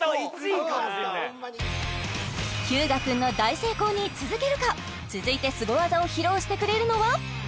日向君の大成功に続けるか続いてすご技を披露してくれるのは？